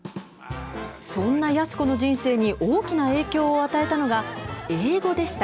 そんな安子の人生に大きな影響を与えたのが英語でした。